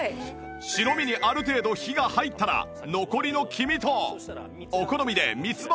白身にある程度火が入ったら残りの黄身とお好みで三つ葉を加え最後に